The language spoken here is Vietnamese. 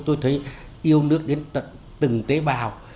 tôi thấy yêu nước đến từng tế bào